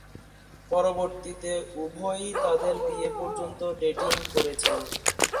পরবর্তীতে, উভয়েই তাদের বিয়ে পর্যন্ত ডেটিং করেছেন।